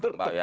bentar pak ya